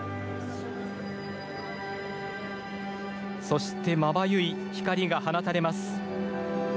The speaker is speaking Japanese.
そしてまばゆい光が放たれます。